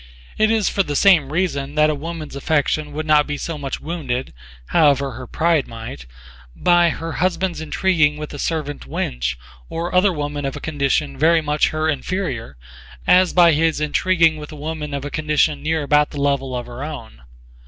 It is for the same reason that a woman's affection would not be so much wounded, however her pride might, by her husband's intriguing with a servant wench or other woman of a condition very much her inferior as by his intriguing with a woman of a condition near about the level of her own.